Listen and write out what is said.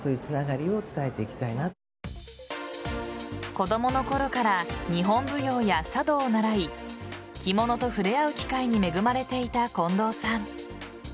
子供のころから日本舞踊や茶道を習い着物と触れ合う機会に恵まれていた近藤さん。